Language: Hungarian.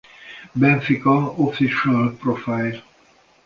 Benfica official profile